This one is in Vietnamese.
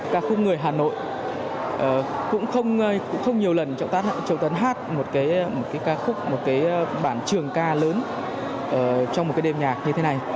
các khúc người hà nội cũng không nhiều lần trọng tấn hát một bản trường ca lớn trong một đêm nhạc như thế này